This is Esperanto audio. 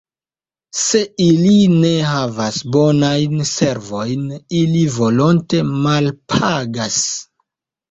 Se ili ne havas bonajn servojn, ili volonte malpagas.